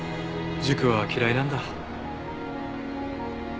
塾は嫌いなんだ？